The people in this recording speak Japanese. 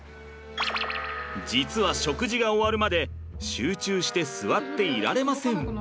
実は食事が終わるまで集中して座っていられません。